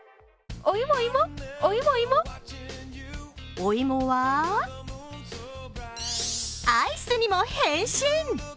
お芋はアイスにも変身！